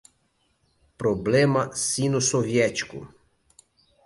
problema sino-soviético